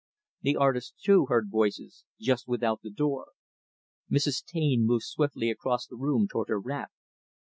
The artist, too, heard voices, just without the door. Mrs. Taine moved swiftly across the room toward her wrap.